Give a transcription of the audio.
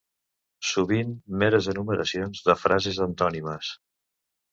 Sovint meres enumeracions de frases antònimes.